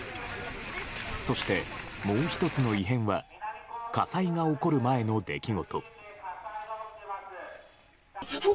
そして、もう１つの異変は火災が起こる前の出来事。